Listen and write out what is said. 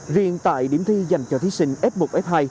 riêng tại điểm thi dành cho thí sinh f một f hai